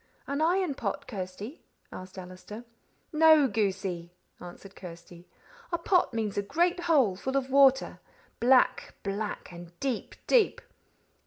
"An iron pot, Kirsty?" asked Allister. "No, goosey," answered Kirsty. "A pot means a great hole full of water black, black, and deep, deep."